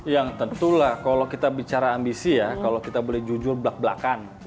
yang tentulah kalau kita bicara ambisi ya kalau kita beli jujur belak belakan